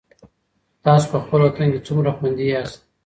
تاسو په خپل وطن کي څومره خوندي یاست؟